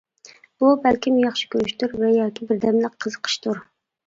بۇ بەلكىم ياخشى كۆرۈشتۇر ۋە ياكى بىردەملىك قىزىقىشتۇر.